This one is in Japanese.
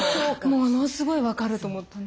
ものすごい分かると思って。